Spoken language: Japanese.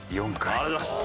ありがとうございます！